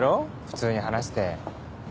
普通に話せて。